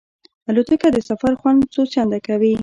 الوتکه د سفر خوند څو چنده کوي.